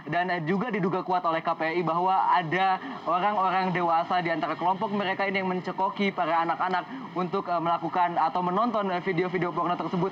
dan juga diduga kuat oleh kpai bahwa ada orang orang dewasa di antara kelompok mereka ini yang mencekoki para anak anak untuk melakukan atau menonton video video porno tersebut